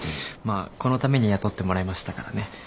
まあこのために雇ってもらいましたからね。